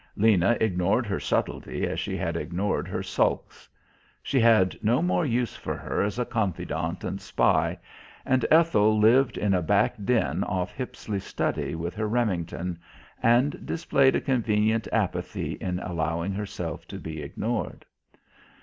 Lena ignored her subtlety as she had ignored her sulks. She had no more use for her as a confidant and spy, and Ethel lived in a back den off Hippisley's study with her Remington, and displayed a convenient apathy in allowing herself to be ignored.